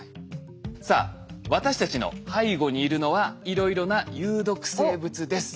さあ私たちの背後にいるのはいろいろな有毒生物です。